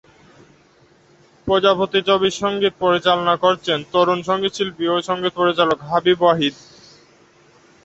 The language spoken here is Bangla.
প্রজাপতি ছবির সংগীত পরিচালনা করেছেন তরুন সংগীত শিল্পী ও সংগীত পরিচালক হাবিব ওয়াহিদ।